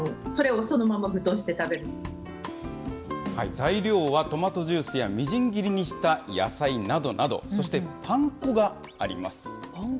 材料はトマトジュースやみじん切りにした野菜などなど、パン粉？